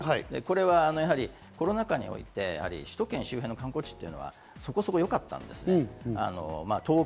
これはコロナ禍において、首都圏周辺の観光地っていうのはそこそこよかったんですね。